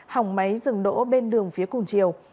hỏng máy dừng đỗ bên đường phía cùng chiều